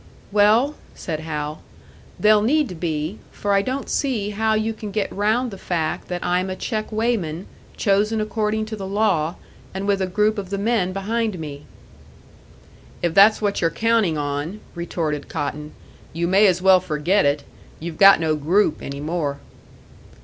"Well," said Hal, "they'll need to be; for I don't see how you can get round the fact that I'm a check weighman, chosen according to the law, and with a group of the men behind me." "If that's what you're counting on," retorted Cotton, "you may as well forget it. You've got no group any more."